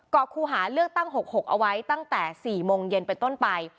อกคู่หาเลือกตั้ง๖๖เอาไว้ตั้งแต่๔โมงเย็นเป็นต้นไป